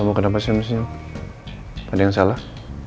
kamu kenapa semisnya pada yang salah